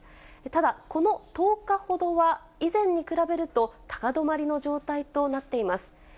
ただ、この１０日ほどは、以前に比べると高止まりの状態となっています。